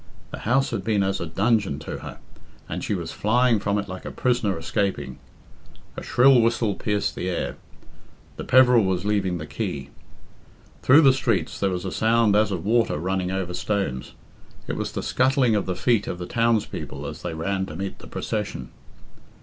The house had been as a dungeon to her, and she was flying from it like a prisoner escaping. A shrill whistle pierced the air. The Peveril was leaving the quay. Through the streets there was a sound as of water running over stones. It was the scuttling of the feet of the townspeople as they ran to meet the procession.